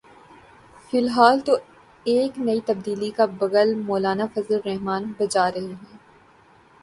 فی الحال تو ایک نئی تبدیلی کا بگل مولانا فضل الرحمان بجا رہے ہیں۔